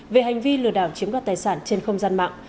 về hành vi lừa đảo chiếm đoạt tài sản trên không gian mạng